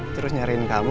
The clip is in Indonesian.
terus nyariin kamu